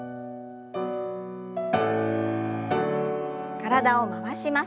体を回します。